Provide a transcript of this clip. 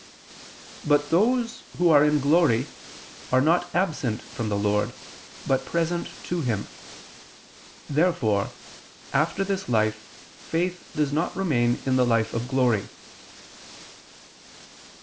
But those who are in glory are not absent from the Lord, but present to Him. Therefore after this life faith does not remain in the life of glory.